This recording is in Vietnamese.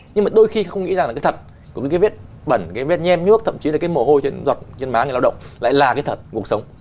nhưng mà đôi khi không nghĩ rằng là cái thật của những cái vết bẩn cái vết nhem nhuốc thậm chí là cái mồ hôi trên giọt trên má người lao động lại là cái thật cuộc sống